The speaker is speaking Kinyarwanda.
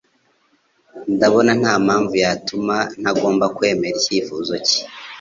Ndabona ntampamvu yatuma ntagomba kwemera icyifuzo cye.